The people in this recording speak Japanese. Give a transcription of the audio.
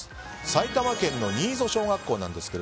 埼玉県の新曽小学校です。